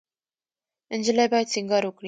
انجلۍ باید سینګار وکړي.